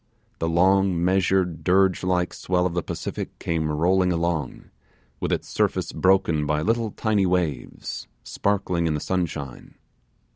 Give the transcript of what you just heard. The long, measured, dirge like well of the Pacific came rolling along, with its surface broken by little tiny waves, sparkling in the sunshine.